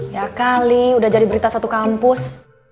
ya kali udah jadi berita satu kampus